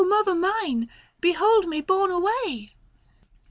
mother mine, behold me borne away